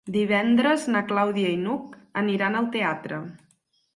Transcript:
Divendres na Clàudia i n'Hug aniran al teatre.